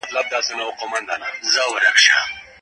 مړاوې پاڼې د بڼوال لخوا پرې کړل سوي.